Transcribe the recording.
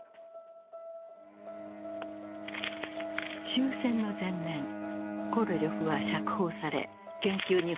終戦の前年コロリョフは釈放され研究に復帰した。